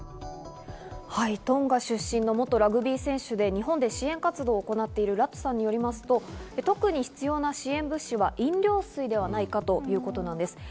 トンガ出身の元ラグビー選手で日本で支援活動を行っているラトゥさんによると、特に必要な支援物資は飲料水ではないかということなんです。